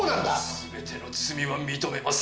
全ての罪は認めます。